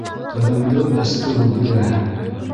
Ҡыҙыңды ыстубы бирәһең!